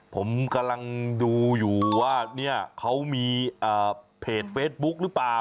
ผมกำลังดูอยู่ว่าเนี่ยเขามีเพจเฟซบุ๊คหรือเปล่า